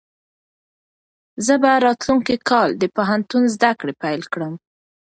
زه به راتلونکی کال د پوهنتون زده کړې پیل کړم.